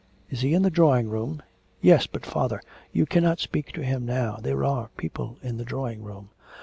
Is he in the drawing room?' 'Yes; but, father, you cannot speak to him now, there are people in the drawing room.'